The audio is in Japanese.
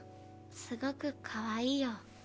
すごくかわいいよ。